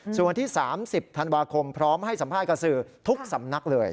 ส่วนวันที่๓๐ธันวาคมพร้อมให้สัมภาษณ์กับสื่อทุกสำนักเลย